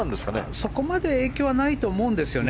そこまで影響はないと思うんですよね。